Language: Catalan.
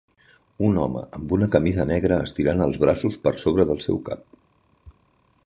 Un home amb una camisa negra estirant els braços per sobre del seu cap.